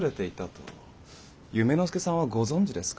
夢の助さんはご存じですか？